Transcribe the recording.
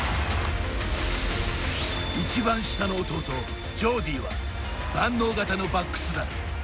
一番下の弟、ジョーディーは万能型のバックスだ。